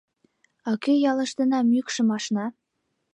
А кӧ ялыштына мӱкшым ашна?